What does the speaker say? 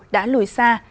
đã lùi xa